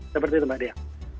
seperti itu mbak dea